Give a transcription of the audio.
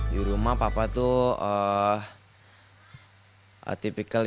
di rumah papa itu tipikal